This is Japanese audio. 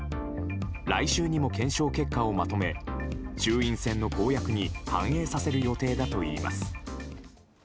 来週にも検証結果をまとめ衆院選の公約に反映させる予定だといいます。